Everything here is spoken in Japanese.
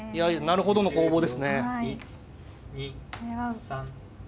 なるほどの攻防ですね。